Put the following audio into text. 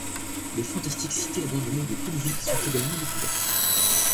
Des fantastiques cités abandonnées de toute vie sont également découvertes.